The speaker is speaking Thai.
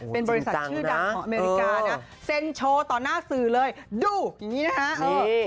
เป็นบริษัทชื่อดังของอเมริกานะเซ็นโชว์ต่อหน้าสื่อเลยดูอย่างนี้นะฮะ